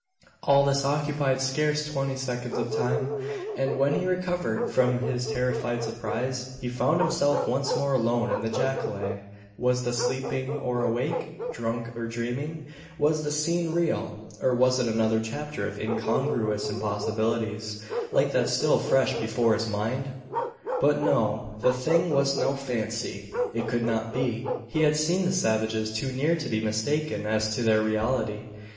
All this occupied scarce twenty seconds of time; and when he had recovered from his terrified surprise, he found himself once more alone in the jacale! Was the sleeping, or awake? Drunk, or dreaming? Was the scene real? Or was it another chapter of incongruous impossibilities, like that still fresh before his mind? But no. The thing was no fancy. It could not be. He had seen the savages too near to be mistaken as to their reality.